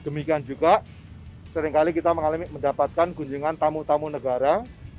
demikian juga seringkali kita mengalami mendapatkan kunjungan tamu tamu negara